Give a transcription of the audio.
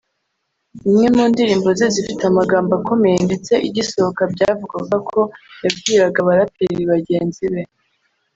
imwe mu ndirimbo ze zifite amagambo akomeye ndetse igisohoka byavugwaga ko yabwiraga abaraperi bagenzi be